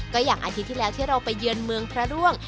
ก็อย่างอาทิตย์ที่แล้วที่เราไปเยือนเมืองพระร่วง